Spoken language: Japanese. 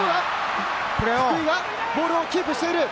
福井がボールをキープしている！